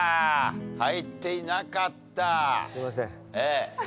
入っていなかった。